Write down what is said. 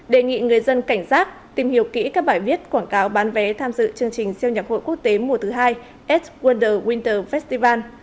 đề nghị người dân cảnh giác tìm hiểu kỹ các bài viết quảng cáo bán vé tham dự chương trình siêu nhạc hội quốc tế mùa thứ hai edge wonder winter festival